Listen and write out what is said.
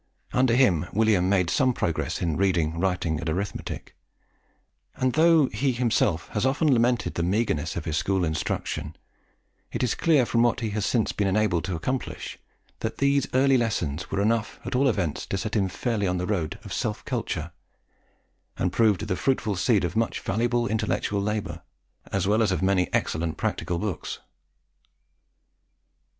Under him, William made some progress in reading, writing, and arithmetic; and though he himself has often lamented the meagreness of his school instruction, it is clear, from what he has since been enabled to accomplish, that these early lessons were enough at all events to set him fairly on the road of self culture, and proved the fruitful seed of much valuable intellectual labour, as well as of many excellent practical books.